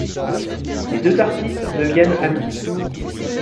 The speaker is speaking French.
Les deux artistes deviennent amis.